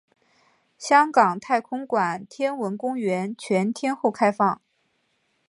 香港太空馆天文公园全天候开放。